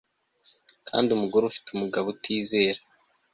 kandi umugore ufite umugabo utizera